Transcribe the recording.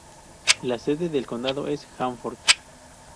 La sede del condado es Hanford.